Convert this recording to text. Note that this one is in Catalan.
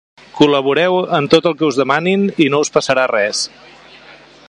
Col·laborareu en tot el que us demanin i no us passarà res.